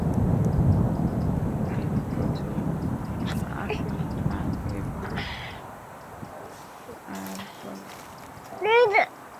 তিনি প্রচুর আফিম খান এবং তার পরে মারা যান।